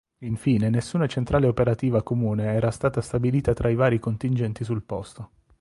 Infine nessuna centrale operativa comune era stata stabilita tra i vari contingenti sul posto.